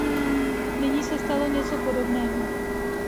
Nyní se stalo něco podobného.